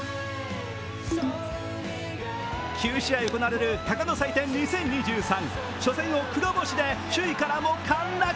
９試合行われる鷹の祭典２０２３、初戦を黒星で首位からも陥落。